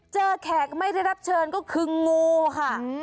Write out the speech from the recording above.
แขกไม่ได้รับเชิญก็คืองูค่ะ